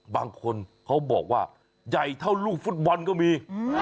บางคนเขาบอกว่าใหญ่เท่าลูกฟุตบอลก็มี